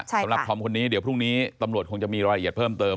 สำหรับธอมคนนี้เดี๋ยวพรุ่งนี้ตำรวจคงจะมีรายละเอียดเพิ่มเติม